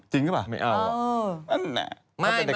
จริงหรือเปล่า